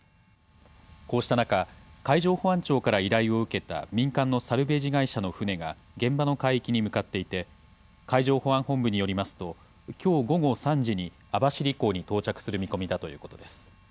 こうした中、海上保安庁から依頼を受けた民間のサルベージ会社の船が、現場の海域に向かっていて、海上保安本部によりますと、きょう午後３時に網走港に到着する見込みだということです。